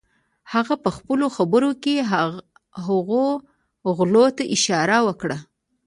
هغه پهخپلو خبرو کې هغو غلو ته اشاره وکړه.